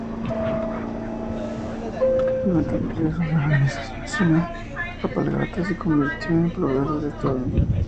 Durante el Proceso de Reorganización Nacional, Alpargatas se convirtió en proveedor del Estado nacional.